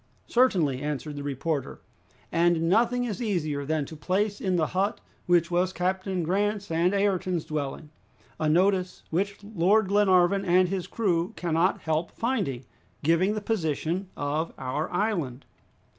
"Certainly," answered the reporter, "and nothing is easier than to place in the hut, which was Captain Grant's and Ayrton's dwelling, a notice which Lord Glenarvan and his crew cannot help finding, giving the position of our island."